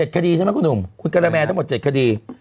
คดีใช่ไหมคุณหนุ่มคุณกะละแมทั้งหมด๗คดี